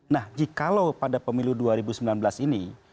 nah jikalau pada pemilu dua ribu sembilan belas ini